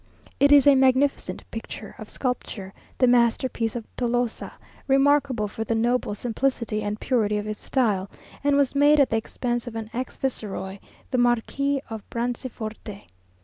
It is a magnificent picture of sculpture, the masterpiece of Tolosa, remarkable for the noble simplicity and purity of its style, and was made at the expense of an ex viceroy, the Marquis of Branciforte.